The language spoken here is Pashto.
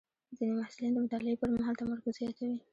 ځینې محصلین د مطالعې پر مهال تمرکز زیاتوي.